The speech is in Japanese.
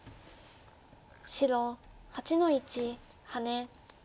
白８の一ハネ。